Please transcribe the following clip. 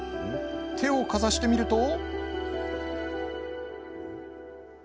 手をかざしてみると。